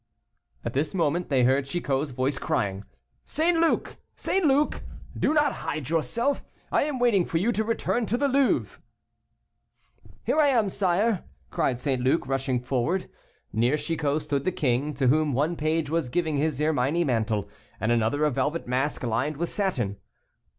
At this moment they heard Chicot's voice crying, "St. Luc, St. Luc, do not hide yourself, I am waiting for you to return to the Louvre." "Here I am, sire," cried St. Luc, rushing forward. Near Chicot stood the king, to whom one page was giving his ermine mantle, and another a velvet mask lined with satin.